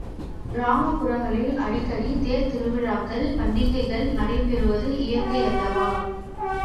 கிராமப்புறங்களில் அடிக்கடி தேர் திருவிழாக்கள், பண்டிகைகள் நடைபெறுவது இயற்கையல்லவா!